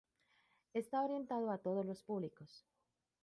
Está orientado a todos los públicos.